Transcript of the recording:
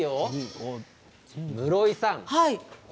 室井さん